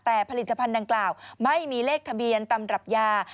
แต่ผลิตภัณฑ์ดังกล่าวไม่มีเลขทะเบียนตำรับยา